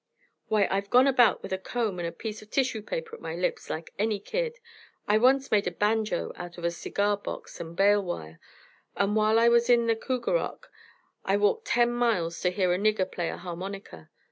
"Why, I've gone about with a comb and a piece of tissue paper at my lips like any kid. I once made a banjo out of a cigar box and bale wire, and while I was in the Kougarok I walked ten miles to hear a nigger play a harmonica.